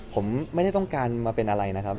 ผมไม่ได้ต้องการมาเป็นอะไรนะครับ